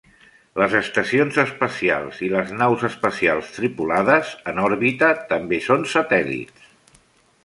Les estacions espacials i les naus espacials tripulades en òrbita també són satèl·lits.